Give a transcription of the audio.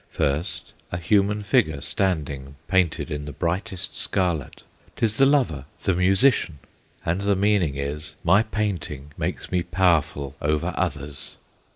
First a human figure standing, Painted in the brightest scarlet; 'T is the lover, the musician, And the meaning is, "My painting Makes me powerful over others."